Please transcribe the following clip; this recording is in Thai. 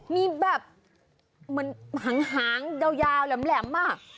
มีแบบเหมือนหางยาวแหลมอ่ะ